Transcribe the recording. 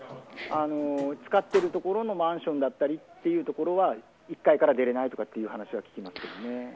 つかっている所のマンションだったりっていう所は、１階から出れないっていう話は聞きますけどね。